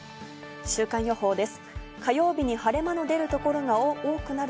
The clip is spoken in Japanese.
週間予報です。